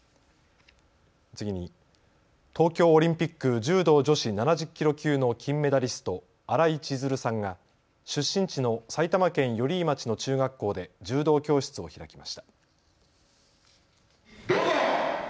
次に、東京オリンピック柔道女子７０キロ級の金メダリスト新井千鶴さんが出身地の埼玉県寄居町の中学校で柔道教室を開きました。